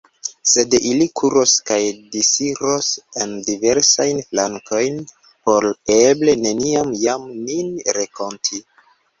Sed ili kuros kaj disiros en diversajn flankojn, por eble neniam jam nin renkonti.